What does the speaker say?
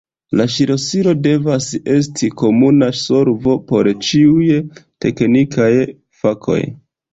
La ŝlosilo devas esti komuna solvo por ĉiuj teknikaj fakoj.